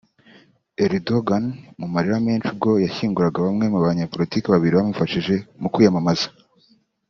Erdogan mu marira menshi ubwo yashyinguraga bamwe mu banyepolitike babiri bamufashije mu kwiyamamaza